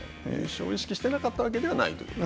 優勝を意識してなかったわけではないと。